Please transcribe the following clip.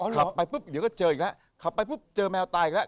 ขับไปปุ๊บเดี๋ยวก็เจออีกแล้วขับไปปุ๊บเจอแมวตายอีกแล้ว